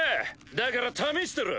だから試してる。